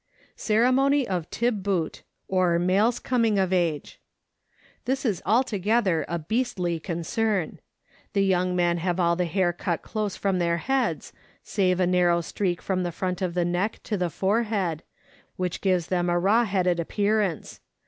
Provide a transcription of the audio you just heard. Ceremony of Tib but, or Males coming of Age. This is altogether a beastly concern. The young men have all the hair cut close from their heads, save a narrow streak from the front of the neck to the forehead, which gives them a raw headed appearance.